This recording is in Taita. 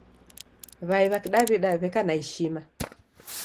W'ai w'a kidaw'ida w'eka na ishima.